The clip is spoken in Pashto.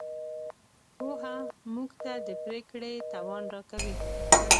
پوهه موږ ته د پرېکړې توان راکوي.